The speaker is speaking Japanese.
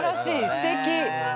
すてき。